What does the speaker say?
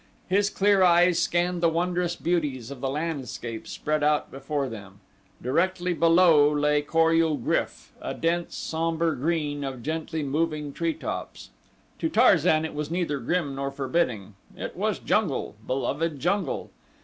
His clear eyes scanned the wondrous beauties of the landscape spread out before them. Directly below lay Kor ul GRYF, a dense, somber green of gently moving tree tops. To Tarzan it was neither grim, nor forbidding it was jungle, beloved jungle.